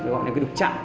gọi là cái đục trạng